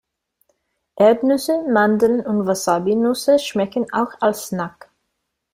Erdnüsse, Mandeln und Wasabinüsse schmecken auch als Snack.